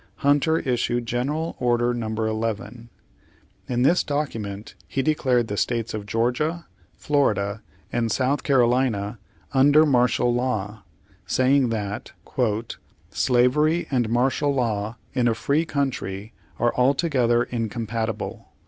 Hunter issued General Order No. 11. In this document he de clared the states of Georgia, Florida, and South Carolina under martial law, saying that "slavery and martial law in a free country are altogether incompatible.